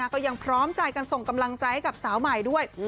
ก็ยังพร้อมใจกันส่งกำลังใจให้กับสาวใหม่ด้วย